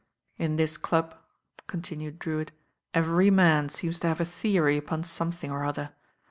"In this club," continued Drewitt, "every man seems to have a theory upon something or other.